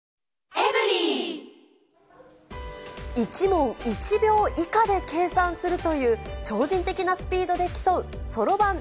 １問１秒以下で計算するという、超人的なスピードで競うそろばん